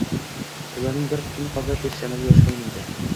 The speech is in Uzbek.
To‘lovining bir qismini qoplab berish amalga oshirilmaydi.